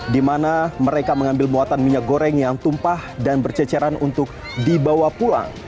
di mana mereka mengambil muatan minyak goreng yang tumpah dan berceceran untuk dibawa pulang